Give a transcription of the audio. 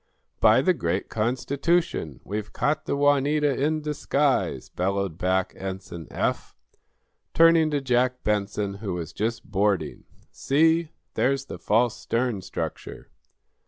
"By the great Constitution! We've caught the 'Juanita' in disguise!" bellowed back Ensign Eph, turning to Jack Benson, who was just boarding. "See! There's the false stern structure."